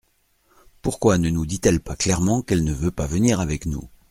Pourquoi ne nous dit-elle pas clairement qu’elle ne veut pas venir avec nous ?